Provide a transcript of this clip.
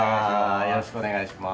よろしくお願いします。